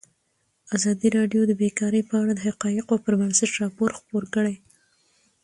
ازادي راډیو د بیکاري په اړه د حقایقو پر بنسټ راپور خپور کړی.